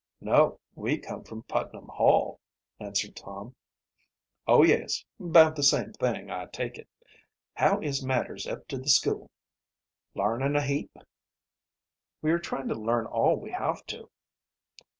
"No; we come from Putnam Hall," answered Tom. "Oh, yes 'bout the same thing, I take it. How is matters up to the school larnin' a heap?" "We are trying to learn all we have to."